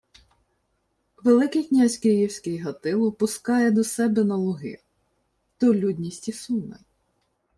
— Великий князь київський Гатило пускає до себе на Луги, то людність і суне.